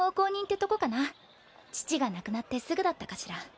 父が亡くなってすぐだったかしら。